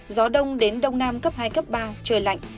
gió đông đến đông nam cấp hai cấp ba trời lạnh